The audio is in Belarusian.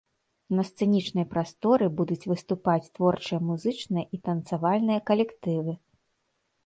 На сцэнічнай прасторы будуць выступаць творчыя музычныя і танцавальныя калектывы.